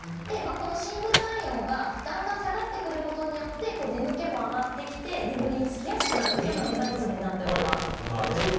この深部体温がだんだん下がってくることによって眠気も上がってきて眠りにつきやすくなるというメカニズムになっております。